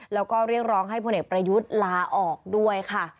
แล้วก็เรียกร้องให้พลเอกประยุทธ์ลาออกด้วยค่ะ